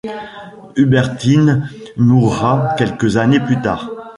Hubertine moura quelques années plus tard.